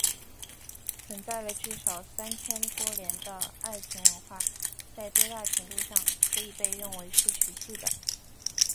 存在了至少三千多年的爱琴文明在多大程度上可以被认为是持续的？